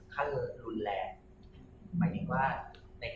หรือเป็นอะไรที่คุณต้องการให้ดู